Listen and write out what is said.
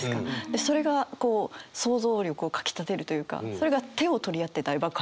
それがこう想像力をかきたてるというかそれが「手を取り合って大爆発」